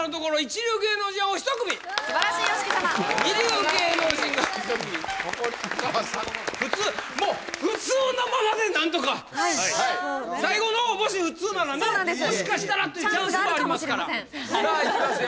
二流芸能人が１組ほかは普通もう普通のままでなんとかはい最後のほうもし普通ならねそうなんですもしかしたらっていうチャンスもありますからさあいきますよ